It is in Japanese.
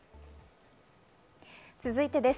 続いてです。